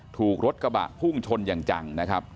ถูกรถกระบะพุ่งชนอย่างจังนะครับ